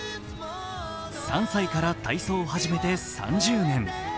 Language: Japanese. ３歳から体操を始めて３０年。